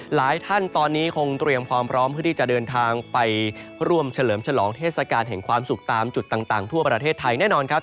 หลายท่านตอนนี้คงเตรียมความพร้อมเพื่อที่จะเดินทางไปร่วมเฉลิมฉลองเทศกาลแห่งความสุขตามจุดต่างทั่วประเทศไทยแน่นอนครับ